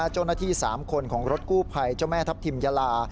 เจ้าหน้าที่๓คนของรถกู้ภัยเจ้าแม่ทัพทิมยาลา